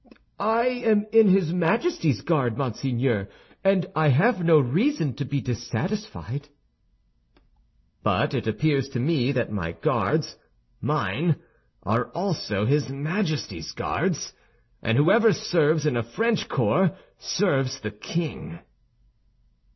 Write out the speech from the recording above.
"I am in his Majesty's Guards, monseigneur, and I have no reason to be dissatisfied." "But it appears to me that my Guards—mine—are also his Majesty's Guards; and whoever serves in a French corps serves the king."